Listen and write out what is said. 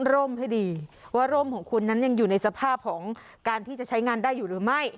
ร่มให้ดีว่าร่มของคุณนั้นยังอยู่ในสภาพของการที่จะใช้งานได้อยู่หรือไม่